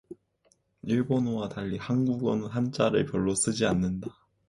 일본어와 달리 한국어는 한자를 별로 쓰지 않는다